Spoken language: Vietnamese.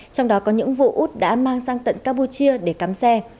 trong đó có những vụ út đã mang sang tận campuchia để cắm xe